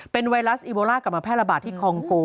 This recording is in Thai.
เป็นไวรัสอิโบล่ากลับมาแพร่ระบาดที่คองโก